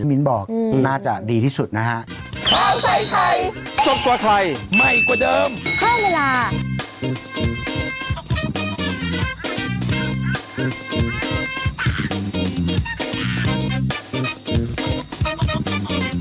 มิ้นบอกน่าจะดีที่สุดนะฮะ